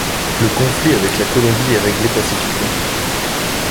Le conflit avec la Colombie est réglé pacifiquement.